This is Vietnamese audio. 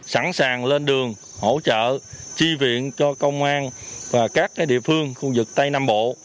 sẵn sàng lên đường hỗ trợ chi viện cho công an và các địa phương khu vực tây nam bộ